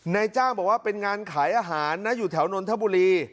นายจ้างบอกว่าเป็นงานขายอาหารนะอยู่แถวนนทบุรี